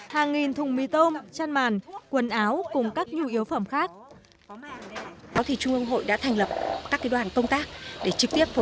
hàng nghìn thùng mì tôm chăn màn quần áo cùng các nhu yếu phẩm khác